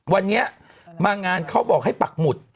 วันนี้มางานเขาบอกให้ปักหมุด